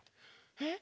えっ？